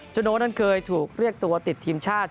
โน้นั้นเคยถูกเรียกตัวติดทีมชาติ